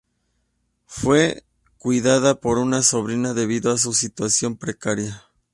Fue cuidada por una sobrina debido a su situación precaria.